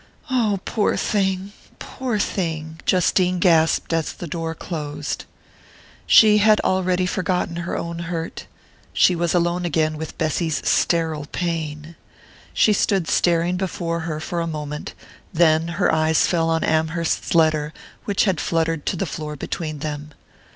"Oh, poor thing poor thing!" Justine gasped as the door closed. She had already forgotten her own hurt she was alone again with Bessy's sterile pain. She stood staring before her for a moment then her eyes fell on Amherst's letter, which had fluttered to the floor between them.